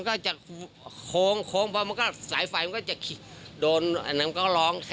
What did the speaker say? เขามาขอรถขนานลงมาเอาอยู่ตรงยมราชยมโปรโลก